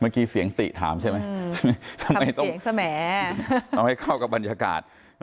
เมื่อกี้เสียงติถามใช่ไหมทำให้เข้ามาสมัยกว่าบรรยากาศ